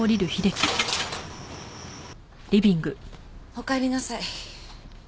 おかえりなさい。